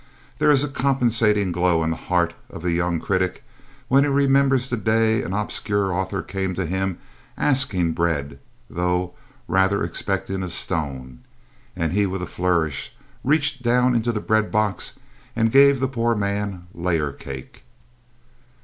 There is a compensating glow in the heart of the young critic when he remembers the day an obscure author came to him asking bread, though rather expecting a stone, and he with a flourish reached down into the breadbox and gave the poor man layer cake.